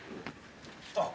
あっ。